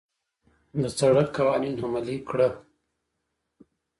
د سړک قوانين عملي کړه.